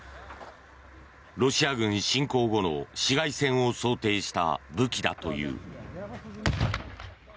ロシア軍侵攻後の市街戦を想定した武器だという。